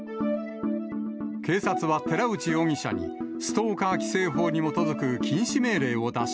警察は寺内容疑者にストーカー規制法に基づく禁止命令を出し、